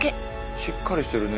しっかりしてるね。